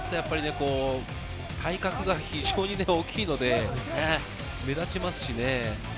体格が非常に大きいので目立ちますしね。